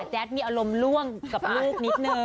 แจ๊ดมีอารมณ์ร่วมกับลูกนิดนึง